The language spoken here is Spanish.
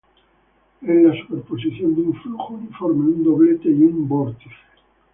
Es la superposición de un flujo uniforme, un doblete, y un vórtice.